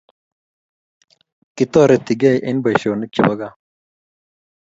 Kitoretigei eng boishoshek chepo kaa